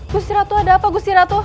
gusiratu ada apa gusiratu